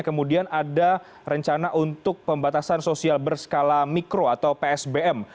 kemudian ada rencana untuk pembatasan sosial berskala mikro atau psbm